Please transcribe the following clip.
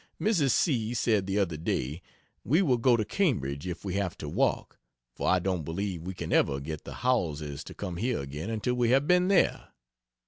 Mrs. C. said the other day, "We will go to Cambridge if we have to walk; for I don't believe we can ever get the Howellses to come here again until we have been there."